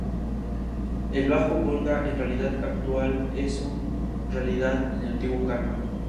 El Bajo Volga en realidad actual es en realidad el antiguo Kama.